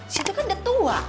si itu kan udah tua